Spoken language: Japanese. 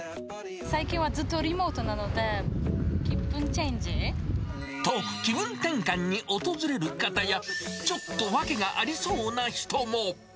最近はずっとリモートなので、と、気分転換に訪れる方や、ちょっと訳がありそうな人も。